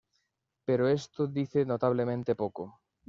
Pero esto dice notablemente poco.